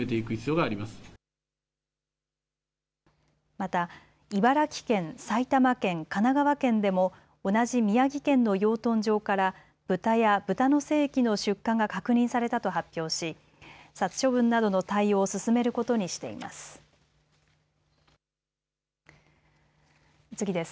また、茨城県、埼玉県、神奈川県でも同じ宮城県の養豚場からブタやブタの精液の出荷が確認されたと発表し殺処分などの対応を進めることにしています。